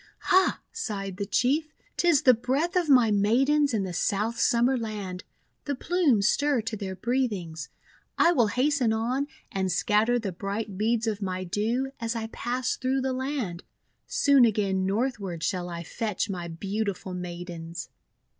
"Ha!" sighed the Chief, "'tis the breath of my Maidens in the South Summer Land; the plumes stir to their breathings! I will hasten on, and scatter the bright beads of my Dew as I pass through the land. Soon again northward shall I fetch my beautiful Maidens!'